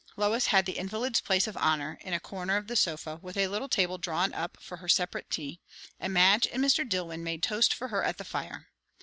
Lois had the invalid's place of honour, in a corner of the sofa, with a little table drawn up for her separate tea; and Madge and Mr. Dillwyn made toast for her at the fire.